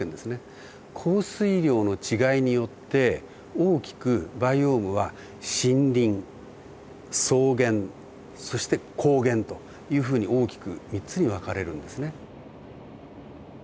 降水量の違いによって大きくバイオームは森林草原そして荒原というふうに大きく３つに分かれるんですね。